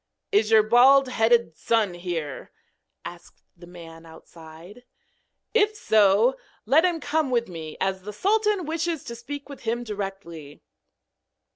'Is your bald headed son here?' asked the man outside. 'If so, let him come with me, as the sultan wishes to speak with him directly.'